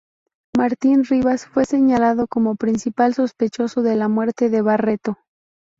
Martín Rivas fue señalado como principal sospechoso de la muerte de Barreto.